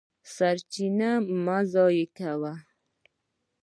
سرچینې مه ضایع کوه.